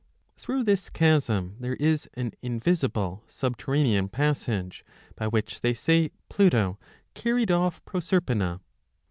Through this chasm there is an invisible subterranean passage, by which they say Pluto 20 carried off Proserpine.